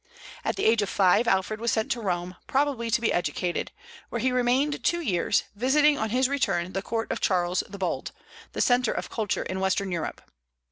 At the age of five Alfred was sent to Rome, probably to be educated, where he remained two years, visiting on his return the court of Charles the Bald, the centre of culture in Western Europe.